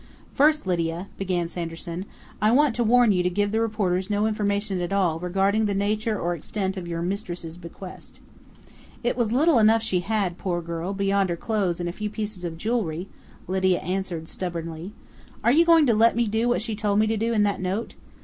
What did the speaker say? "First, Lydia," began Sanderson, "I want to warn you to give the reporters no information at all regarding the nature or extent of your mistress' bequest." "It was little enough she had, poor girl, beyond her clothes and a few pieces of jewelry," Lydia answered stubbornly. "Are you going to let me do what she told me to, in that note?...